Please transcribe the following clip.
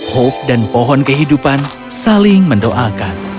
hope dan pohon kehidupan saling mendoakan